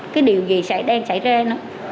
cái điều gì đang xảy ra nữa